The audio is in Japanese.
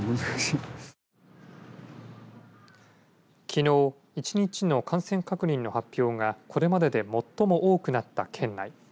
きのう１日の感染確認の発表がこれまでで最も多くなった県内。